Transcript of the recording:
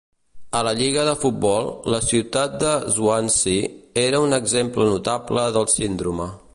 A la lliga de futbol, la ciutat de Swansea era un exemple notable del síndrome.